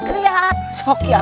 tidak atuh atuh